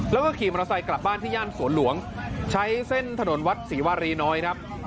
แล้วก็ขี่มาราไซค์กลับบ้านที่ย่านสวรรค์หลวงใช้เส้นถนวรรษฎีศรีวรีร้าน้อย